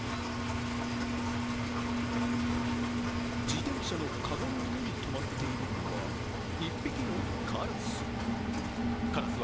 自転車のかごの上にとまっているのは、１匹のカラス。